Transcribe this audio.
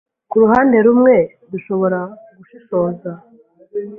kuruhande rumwe dushobora gushishoza